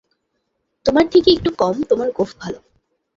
তোমার থেকে একটু কম তোমার গোঁফ ভালো।